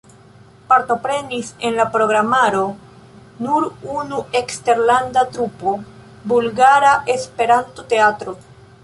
Partoprenis en la programaro nur unu eksterlanda trupo: Bulgara Esperanto-Teatro.